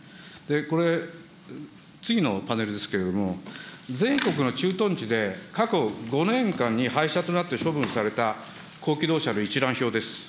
これ、次のパネルですけれども、全国の駐屯地で、過去５年間に廃車となって処分された高機動車の一覧表です。